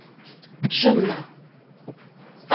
— Шым нал...